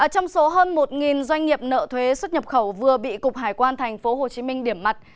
trong số hơn một doanh nghiệp nợ thuế xuất nhập khẩu vừa bị cục hải quan tp hcm điểm mặt